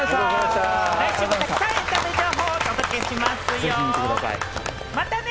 来週もたくさんエンタメ情報をお届けしますよ、またね！